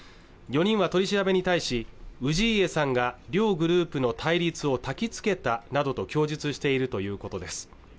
４人は取り調べに対し氏家さんが両グループの対立をたきつけたなどと供述しているということです